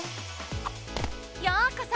ようこそ！